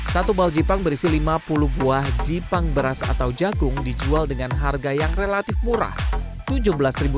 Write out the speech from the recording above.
satu bal jipang berisi lima puluh buah jipang beras atau jagung dijual dengan harga yang relatif murah tujuh belas rupiah saja